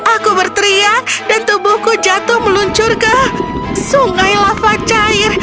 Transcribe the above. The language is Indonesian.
aku berteriak dan tubuhku jatuh meluncur ke sungai lava cair